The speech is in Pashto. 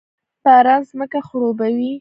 باران ځمکه خړوبوي